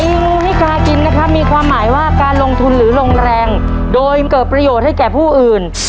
มีงูให้กากินนะครับมีความหมายว่าการลงทุนหรือลงแรงโดยเกิดประโยชน์ให้แก่ผู้อื่น